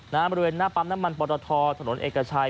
บริเวณหน้าปั๊มน้ำมันปรทถนนเอกชัย